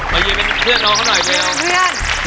มายินเป็นเพื่อนน้องเขาหน่อย